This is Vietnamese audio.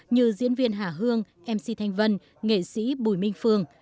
như diễn viên hà hương mc thanh vân nghệ sĩ bùi minh phương